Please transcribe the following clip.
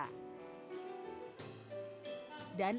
dan agar bisa mencari kemampuan dan kreativitas siswanya